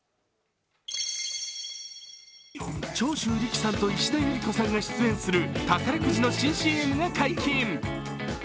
長州力さんと石田ゆり子さんが出演する宝くじの新ＣＭが解禁。